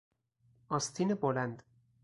آستین بلند